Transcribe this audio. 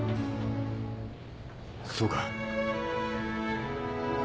そうか。